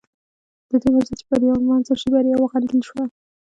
د دې پر ځای چې بریا ونمانځل شي بریا وغندل شوه.